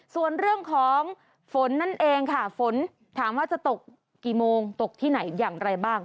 ส่วนเรื่องของฝนนั่นเองค่ะฝนถามว่าจะตกกี่โมงตกที่ไหนอย่างไรบ้าง